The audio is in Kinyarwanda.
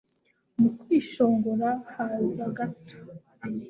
mu kwishongora haza gato